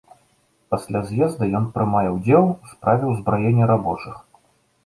Пасля з'езда ён прымае ўдзел у справе ўзбраення рабочых.